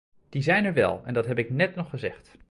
Die zijn er wel en dat heb ik net nog gezegd.